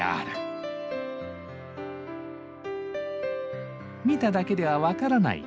見ただけでは分からない香り。